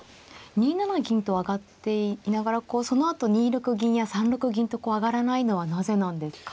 ２七銀と上がっていながらそのあと２六銀や３六銀と上がらないのはなぜなんですか。